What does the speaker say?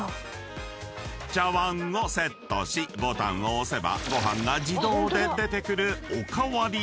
［茶わんをセットしボタンを押せばご飯が自動で出てくる］